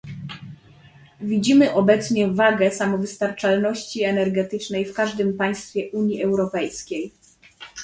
Widzimy obecnie wagę samowystarczalności energetycznej w każdym państwie Unii Europejskiej